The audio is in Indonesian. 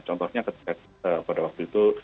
contohnya pada waktu itu